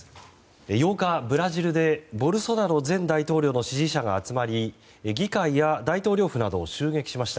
８日、ブラジルでボルソナロ前大統領の支持者が集まり議会や大統領府などを襲撃しました。